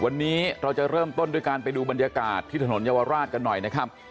วันนี้เราจะเริ่มต้นด้วยการไปดูบรรยากาศที่ถนนเยาวราชกันหน่อยนะครับ